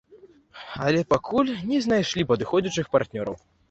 Але пакуль не знайшлі падыходзячых партнёраў.